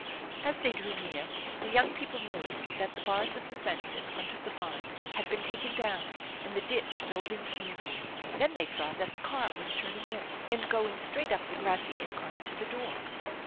As they drew near, the young people noticed that the bars of the fence in front of the barn had been taken down and the ditch filled in smoothly. Then they saw that the car was turning in and going straight up the grassy incline to the door.